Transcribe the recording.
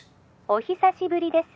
☎お久しぶりです